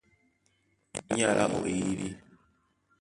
Ní alá ó eyídí.